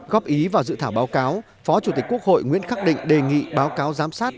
góp ý vào dự thảo báo cáo phó chủ tịch quốc hội nguyễn khắc định đề nghị báo cáo giám sát